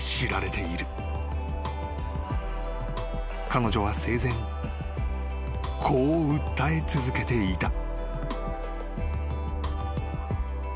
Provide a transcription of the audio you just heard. ［彼女は生前こう訴え続けていた］